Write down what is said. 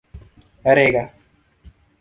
regas